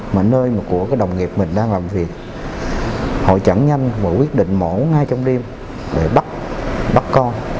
mà nơi mà của cái đồng nghiệp mình đang làm việc hội chẳng nhanh và quyết định mổ ngay trong đêm để bắt bắt con